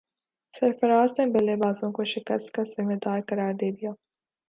سرفراز نے بلے بازوں کو شکست کا ذمہ دار قرار دے دیا